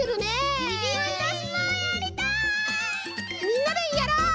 みんなでやろう！